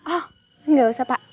oh gak usah pak